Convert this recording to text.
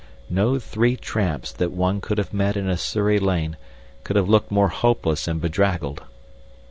No three tramps that one could have met in a Surrey lane could have looked more hopeless and bedraggled.